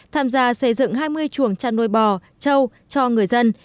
tham gia xây dựng hai mươi chuồng chăn nuôi bò trâu cho người dân